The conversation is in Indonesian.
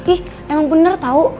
ih emang bener tau